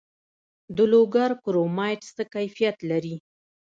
د لوګر کرومایټ څه کیفیت لري؟